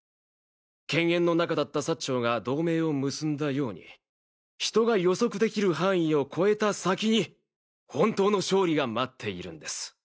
犬猿の仲だった薩長が同盟を結んだように人が予測できる範囲を超えた先に本当の勝利が待っているんです。